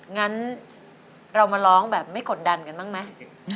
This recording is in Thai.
งั้นเรามาร้องแบบไม่กดดันกันบ้างไหม